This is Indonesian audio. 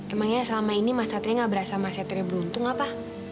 emangnya selama ini mas satria nggak berasa mas satria beruntung apa